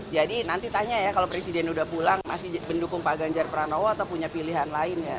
jadi nanti tanya ya kalau presiden udah pulang masih mendukung pak ganjar pranowo atau punya pilihan lainnya